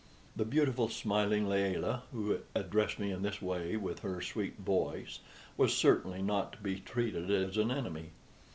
The beautiful, smiling Layelah, who addressed me in this way with her sweet voice, was certainly not to be treated as an enemy.